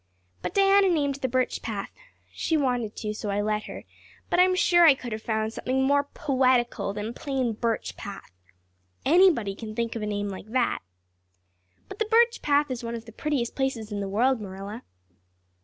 But Diana named the Birch Path. She wanted to, so I let her; but I'm sure I could have found something more poetical than plain Birch Path. Anybody can think of a name like that. But the Birch Path is one of the prettiest places in the world, Marilla."